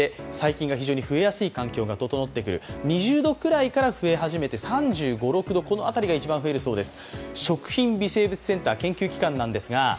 ２０度くらいから増え始めて３５３６度の辺りが一番増えるそうです。